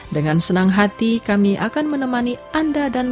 dengan senang hati kami akan menemani anda dan